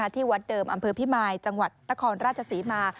ที่วัดเดิมอำเภอพิมายจังหวัดนครราชศรีมา